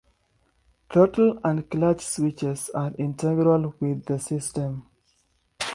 Throttle and clutch switches are integral with the system.